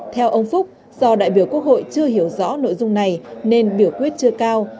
theo ông phúc do đại biểu quốc hội chưa hiểu rõ nội dung này nên biểu quyết chưa cao